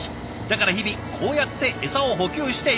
だから日々こうやってエサを補給しているんです。